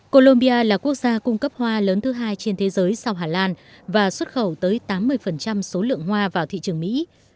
colombia là quốc gia cung cấp hoa lớn thứ hai trên thế giới sau hà lan và xuất khẩu tới tám mươi số lượng hoa vào thị trường mỹ